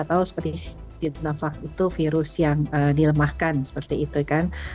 kita tahu seperti di tidak vaks itu virus yang dilemahkan seperti itu kan